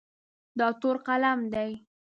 دا تور قلم دی.